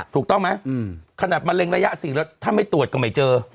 ถูกต้องไหมขนาดมะเร็งระยะ๔แล้วถ้าไม่ตรวจก็ไม่เจอ